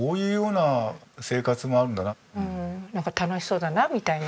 なんか楽しそうだなみたいな。